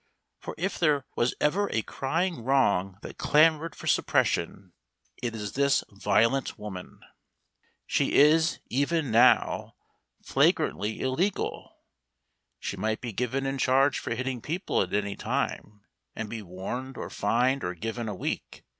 For if there was ever a crying wrong that clamoured for suppression it is this violent woman. She is, even now, flagrantly illegal. She might be given in charge for hitting people at any time, and be warned, or fined, or given a week.